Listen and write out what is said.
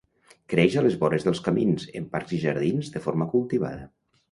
Creix a les vores dels camins, en parcs i jardins de forma cultivada.